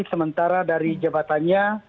sementara dari jabatannya